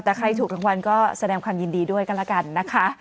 แต่ใครถูกรางวัลก็แสดงความยินดีด้วยกันแล้วกันนะคะ